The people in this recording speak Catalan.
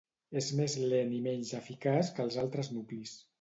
És més lent i menys eficaç que els altres nuclis.